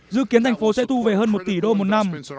dự kiến thành phố sẽ thu về hơn một tỷ đô một năm